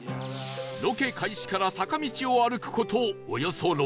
ロケ開始から坂道を歩く事およそ６キロ